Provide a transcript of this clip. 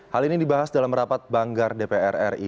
hal ini dibahas dalam rapat banggar dpr ri